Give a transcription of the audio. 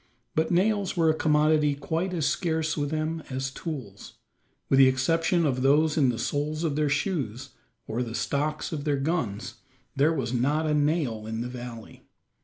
But nails were a commodity quite as scarce with them as tools. With the exception of those in the soles of their shoes, or the stocks of their guns, there was not a nail in the valley.